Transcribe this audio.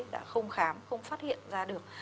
đã không khám không phát hiện ra được